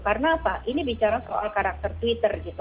karena apa ini bicara soal karakter twitter gitu